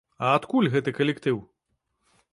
А адкуль гэты калектыў?